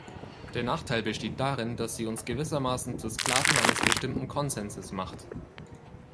Der Nachteil besteht darin, dass sie uns gewissermaßen zu Sklaven eines bestimmten Konsenses macht.